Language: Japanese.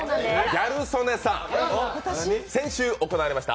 ギャル曽根さん先週行われました